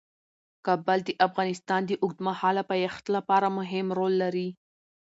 کابل د افغانستان د اوږدمهاله پایښت لپاره مهم رول لري.